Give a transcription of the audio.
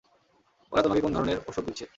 ওরা তোমাকে কোন ধরনের ঔষধ দিচ্ছে?